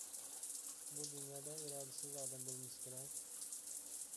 بۇ دۇنيادا ئىرادىسىز ئادەم بولمىسا كېرەك!